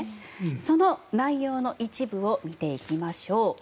その内容の一部を見ていきましょう。